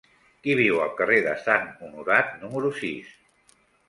Qui viu al carrer de Sant Honorat número sis?